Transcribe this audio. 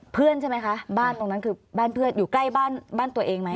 ใช่ไหมคะบ้านตรงนั้นคือบ้านเพื่อนอยู่ใกล้บ้านบ้านตัวเองไหม